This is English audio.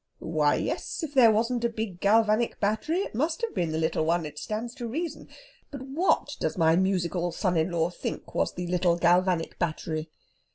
"Why, yes. If there wasn't a big galvanic battery, it must have been the little one. It stands to reason. But what does my musical son in law think was the little galvanic battery?"